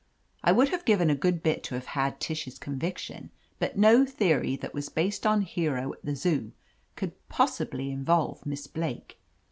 I would have given a good bit to have had Tish's conviction, but no theory that was based on Hero at the Zoo could possibly involve Miss Blake.